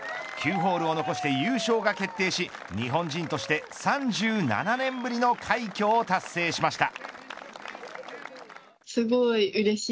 ９ホールを残して優勝が決定し日本人として３７年ぶりの快挙を達成しました。